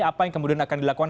apa yang kemudian akan dilakukan